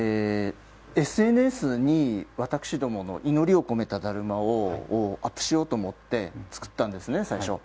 ＳＮＳに私どもの祈りを込めただるまをアップしようと思って作ったんですね、最初は。